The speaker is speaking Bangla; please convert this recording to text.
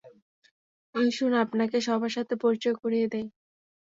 আসুন, আপনাকে সবার সাথে পরিচয় করিয়ে দেই।